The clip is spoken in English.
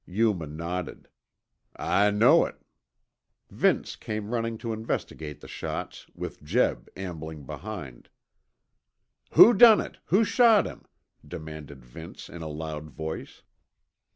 Yuma nodded. "I know it." Vince came running to investigate the shots, with Jeb ambling behind. "Who done it, who shot him?" demanded Vince in a loud voice.